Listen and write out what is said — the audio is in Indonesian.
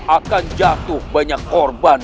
akan jatuh banyak korban